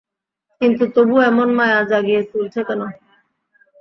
কিন্তু তবু এমন মায়া জাগিয়ে তুলছে কেন?